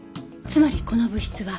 つまりこの物質は。